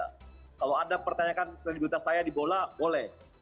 kalau anda pertanyakan kredibilitas saya di bola boleh